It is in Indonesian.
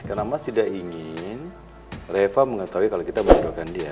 karena mas tidak ingin reva mengetahui kalau kita mendoakan dia